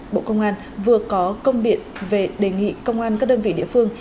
bộ công an vừa có công điện về đề nghị công an các đơn vị địa phương